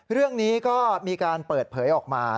เรื่องนี้ก็มีการเปิดเผยออกมา